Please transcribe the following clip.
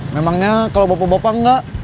memangnya kalau bapak bapak enggak